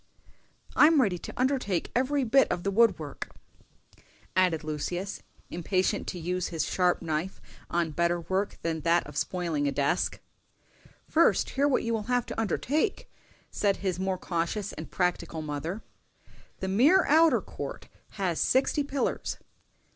"I'm ready to undertake every bit of the wood work," added Lucius, impatient to use his sharp knife on better work than that of spoiling a desk. "First hear what you will have to undertake," said his more cautious and practical mother. "The mere outer court has sixty pillars."